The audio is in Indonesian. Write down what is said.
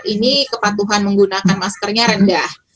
ini kepatuhan menggunakan maskernya rendah